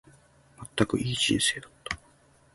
まったく、いい人生だった。